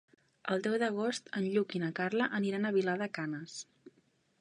El deu d'agost en Lluc i na Carla aniran a Vilar de Canes.